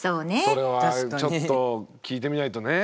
それはちょっと聞いてみないとね。